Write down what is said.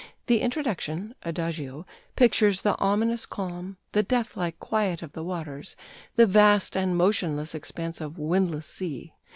The introduction (Adagio) pictures the ominous calm, the deathlike quiet of the waters, the vast and motionless expanse of windless sea.